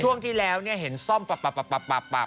ช่วงที่แล้วเนี่ยเห็นซ่อมปับอ่ะ